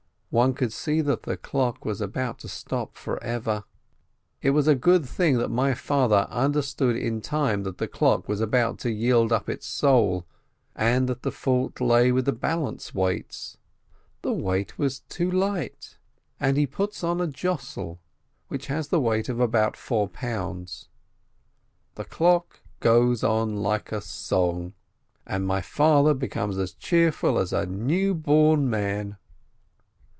One could see that the clock was about to stop forever ! It was a good thing my father under stood in time that the clock was about to yield up its soul, and that the fault lay with the balance weights: the weight was too light. And he puts on a jostle, which has the weight of about four pounds. The clock goes on like a song, and my father becomes as cheerful as a newborn man.